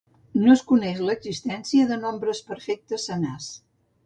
No es coneix l'existència de nombres perfectes senars.